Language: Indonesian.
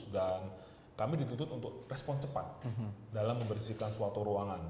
dan kami dituntut untuk respon cepat dalam membersihkan suatu ruangan